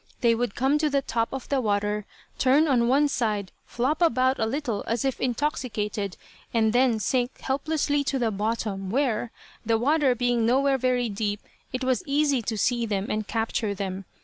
They would come to the top of the water, turn on one side, flop about a little as if intoxicated, and then sink helplessly to the bottom, where, the water being nowhere very deep, it was easy to see them and capture them.